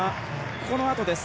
このあとです。